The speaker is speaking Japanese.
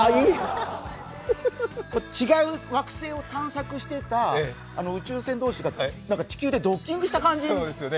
違う惑星を探索してた宇宙船同士がなんか地球でドッキングした感じで。